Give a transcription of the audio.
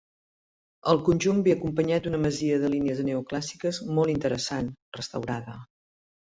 El conjunt ve acompanyat d'una masia de línies neoclàssiques molt interessant, restaurada.